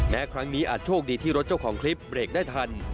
ครั้งนี้อาจโชคดีที่รถเจ้าของคลิปเบรกได้ทัน